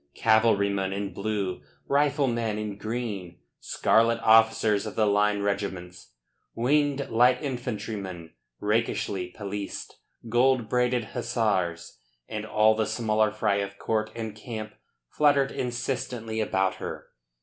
Cavalrymen in blue, riflemen in green, scarlet officers of the line regiments, winged light infantrymen, rakishly pelissed, gold braided hussars and all the smaller fry of court and camp fluttered insistently about her.